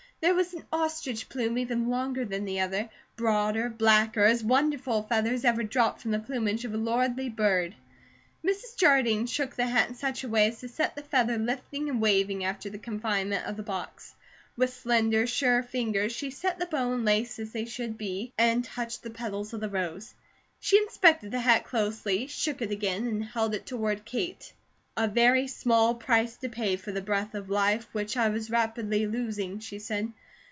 There was an ostrich plume even longer than the other, broader, blacker, as wonderful a feather as ever dropped from the plumage of a lordly bird. Mrs. Jardine shook the hat in such a way as to set the feather lifting and waving after the confinement of the box. With slender, sure fingers she set the bow and lace as they should be, and touched the petals of the rose. She inspected the hat closely, shook it again, and held it toward Kate. "A very small price to pay for the breath of life, which I was rapidly losing," she said.